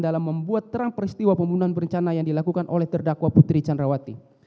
dalam membuat terang peristiwa pembunuhan berencana yang dilakukan oleh terdakwa putri candrawati